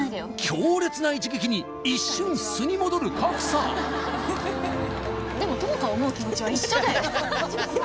強烈な一撃に一瞬素に戻る賀来さんでも友果を思う気持ちは一緒だよ